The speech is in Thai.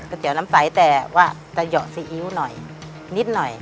เตี๋ยวน้ำใสแต่ว่าจะเหยาะซีอิ๊วหน่อยนิดหน่อย